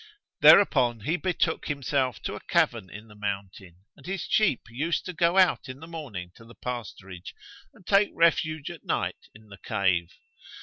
Thereupon he betook himself to a cavern in the mountain and his sheep used to go out in the morning to the pasturage and take refuge at night in the cave.